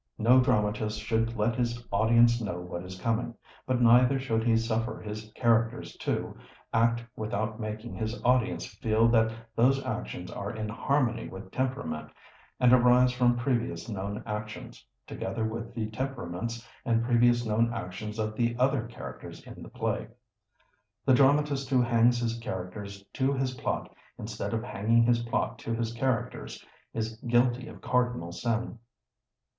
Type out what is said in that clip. No dramatist should let his audience know what is coming; but neither should he suffer his characters to, act without making his audience feel that those actions are in harmony with temperament, and arise from previous known actions, together with the temperaments and previous known actions of the other characters in the play. The dramatist who hangs his characters to his plot, instead of hanging his plot to his characters, is guilty of cardinal sin.